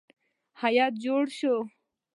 هیات جوړ شو.